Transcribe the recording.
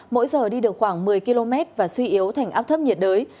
mỗi giờ đi được khoảng một mươi km và suy yếu thành áp thấp nhiệt đới